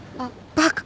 バカ！